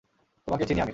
তোমাকে চিনি আমি।